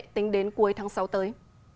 tính đến ngày hôm nay